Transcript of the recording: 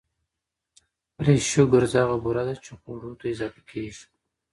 Fresh sugars هغه بوره ده چې خواړو ته اضافه کېږي.